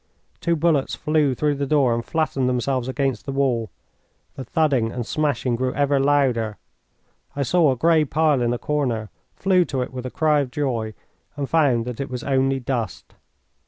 Two bullets flew through the door and flattened themselves against the wall. The thudding and smashing grew ever louder. I saw a grey pile in a corner, flew to it with a cry of joy, and found that it was only dust.